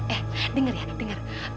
eh denger ya denger